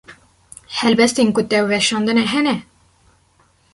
Helbestên ku te weşandine hene?